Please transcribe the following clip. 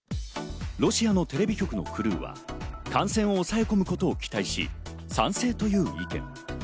ロシアのテレビ局のクルーは感染を抑え込むことを期待し、賛成という意見。